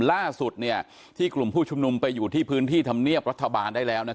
ล่าสุดที่กลุ่มผู้ชุมนุมไปอยู่ที่พื้นที่ธรรมเนียบรัฐบาลได้แล้ว